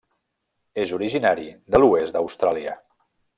És originari de l'oest d'Austràlia.